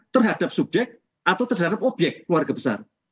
terhadap subjek atau terhadap obyek keluarga besar